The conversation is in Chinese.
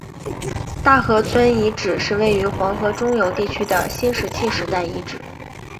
大河村遗址是位于黄河中游地区的新石器时代遗址。